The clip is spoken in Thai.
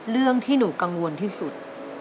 เรื่องที่หนูกังวลที่สุด